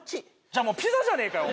じゃもうピザじゃねえかよ